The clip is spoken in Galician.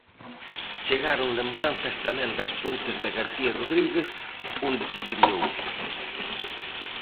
Chegaron lembranzas tamén das Pontes de García Rodríguez, onde se criou.